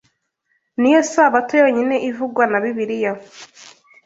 ni yo Sabato yonyine ivugwa na Bibiliya